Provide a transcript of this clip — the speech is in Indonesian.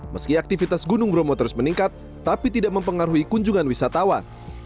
meski aktivitas gunung bromo terus meningkat tapi tidak mempengaruhi kunjungan wisatawan